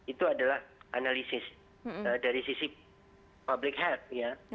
itu adalah analisis dari sisi public health ya